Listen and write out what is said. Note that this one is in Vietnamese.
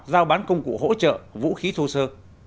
giao bán công cụ hỗ trợ vũ khí thô sơ